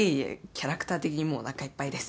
キャラクター的にもうおなかいっぱいです。